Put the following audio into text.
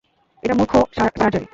এটা মূখ্য সার্জারি।